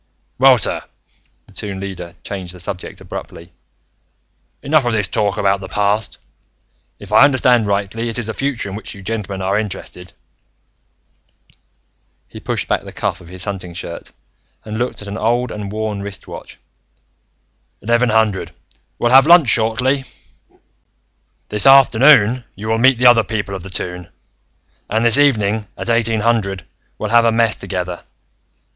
"Well, sir," the Toon Leader changed the subject abruptly, "enough of this talk about the past. If I understand rightly, it is the future in which you gentlemen are interested." He pushed back the cuff of his hunting shirt and looked at an old and worn wrist watch. "Eleven hundred: we'll have lunch shortly. "This afternoon, you will meet the other people of the Toon, and this evening, at eighteen hundred, we'll have a mess together.